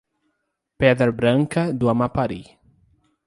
Pedra Branca do Amapari